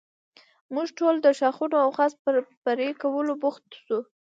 موږ ټول د ښاخونو او خس پر پرې کولو بوخت شو.